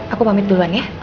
aku pamit duluan ya